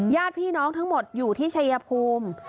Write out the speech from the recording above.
ญาติพี่น้องทั้งหมดอยู่ที่ชายภูมิ